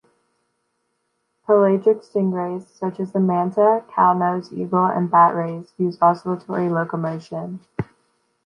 Pelagic stingrays, such as the manta, cownose, eagle and bat rays use oscillatory locomotion.